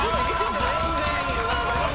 全然いい！